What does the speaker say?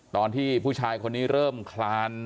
ตอนที่ผู้ชายคนนี้เริ่มคลาน